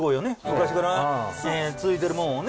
昔から続いてるモンをね